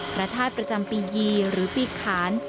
พระธาตุประจำปียีหรือปีขาน